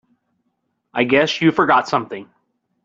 I guess you forgot something.